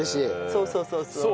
そうそうそうそう。